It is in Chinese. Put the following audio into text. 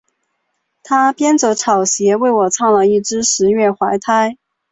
辩方以为理据为卓良豪辩护。